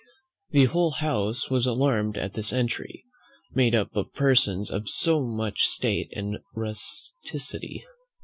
The whole house was alarmed at this entry, made up of persons of so much state and rusticity.